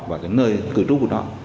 và cái nơi cư trú của nó